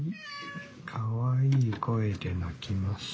はいかわいい声で鳴きます。